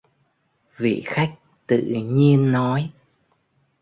Vị Khách tự nhiên nói